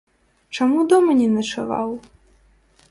Чаму дома не начаваў?